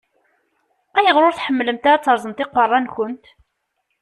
Ayɣer ur tḥemmlemt ara ad teṛṛẓemt iqeṛṛa-nkent?